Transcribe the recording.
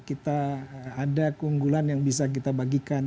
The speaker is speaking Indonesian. kita ada keunggulan yang bisa kita bagikan